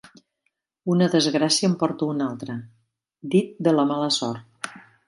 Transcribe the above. "Una desgràcia en porta una altra" (dit de la mala sort).